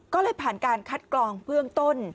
ก็เลยผ่านการคัดกรองเบื้องต้น